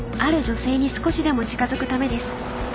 女性に少しでも近づくためです。